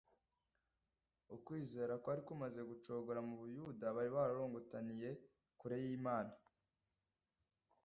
Ukwizera kwari kumaze gucogora mu Bayuda bari bararorongotaniye kure y'Imana,